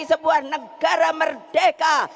sebuah negara merdeka